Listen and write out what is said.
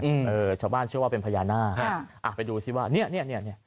อืมเออชาวบ้านเชื่อว่าเป็นพญานาศค่ะอ่ะไปดูซิว่าเนี่ยเนี่ยเนี่ยเนี่ย